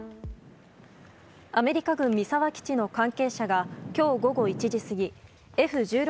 アメリカ軍三沢基地の関係者が今日午後１時過ぎＦ１６